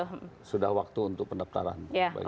dan besok sudah waktu untuk pendaftaran